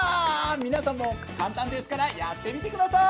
皆さんも簡単ですからやってみて下さい！